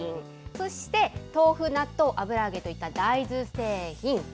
そして、豆腐、納豆、油揚げといった大豆製品。